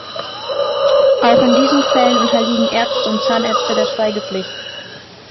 Auch in diesen Fällen unterliegen Ärzte und Zahnärzte der Schweigepflicht.